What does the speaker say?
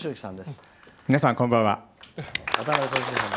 皆さん、こんばんは。